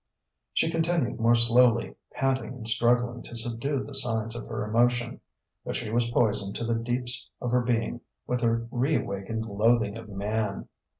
She continued more slowly, panting and struggling to subdue the signs of her emotion. But she was poisoned to the deeps of her being with her reawakened loathing of Man.